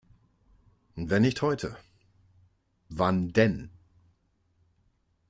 Und wenn nicht heute, wann denn?